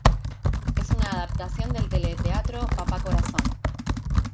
Es una adaptación del teleteatro "Papá Corazón".